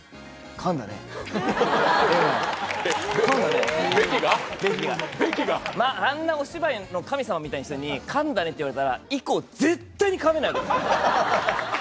かんだね？」ってあんなお芝居の神様みたいな人に「かんだね？」って言われたら以降、絶対にかめないわけです。